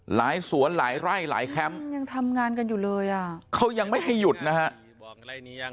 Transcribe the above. สวนหลายไร่หลายแคมป์ยังทำงานกันอยู่เลยอ่ะเขายังไม่ให้หยุดนะฮะ